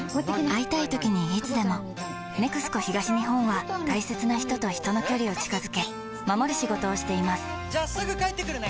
会いたいときにいつでも「ＮＥＸＣＯ東日本」は大切な人と人の距離を近づけ守る仕事をしていますじゃあすぐ帰ってくるね！